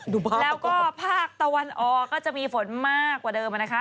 แล้วก็ภาคตะวันออกก็จะมีฝนมากกว่าเดิมนะคะ